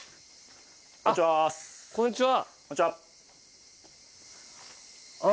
あっこんにちは。